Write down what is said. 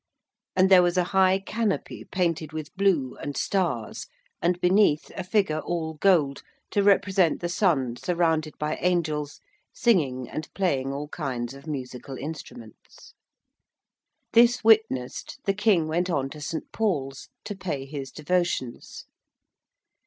And there was a high canopy painted with blue and stars, and beneath a figure all gold, to represent the sun surrounded by angels singing and playing all kinds of musical instruments. This witnessed, the King went on to St. Paul's to pay his devotions.